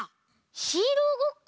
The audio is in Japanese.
ヒーローごっこ？